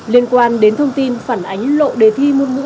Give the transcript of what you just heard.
liên quan đến thông tin phản ánh lộ đề thi môn ngữ